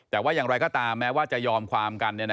แต่ว่าอย่างไรก็ตามแม้ว่าจะยอมความกัน